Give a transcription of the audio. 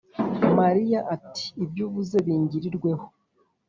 - mariya ati: “ibyo uvuze bingirirweho”